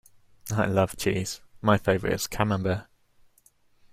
I love cheese; my favourite is camembert.